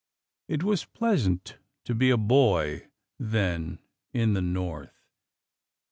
It was pleasant to be a boy then in the North.